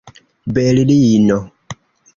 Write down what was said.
berlino